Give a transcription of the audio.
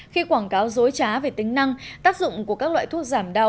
khi quảng cáo dối trá về tính năng tác dụng của các loại thuốc giảm đau